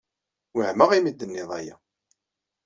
Wehmeɣ imi ay d-tennid aya.